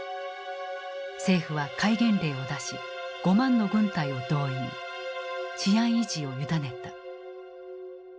政府は戒厳令を出し５万の軍隊を動員治安維持を委ねた。